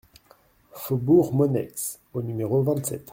Faubourg Monneix au numéro vingt-sept